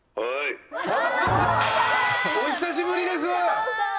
お久しぶりです。